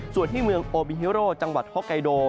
ส่วนที่เมืองโอบิฮิโรจังหวัดฮอกไกโด